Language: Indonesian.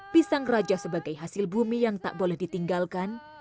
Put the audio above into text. pisang raja sebagai hasil bumi yang tak boleh ditinggalkan